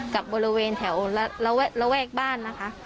กับบริเวณแถวระแวกบ้านนะคะ